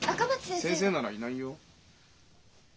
先生ならいないよ。